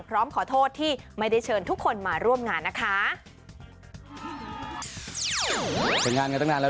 พร้อมขอโทษที่ไม่ได้เชิญทุกคนมาร่วมงานนะคะ